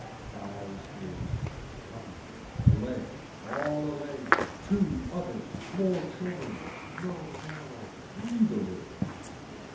Cries is, coming, a leg, all a leg, two utter, more children, no narrow, read a little.